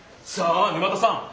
さあ沼田さん！